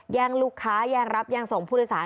แย่งลูกค้าแย่งรับแย่งส่งผู้โดยสาร